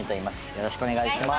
よろしくお願いします。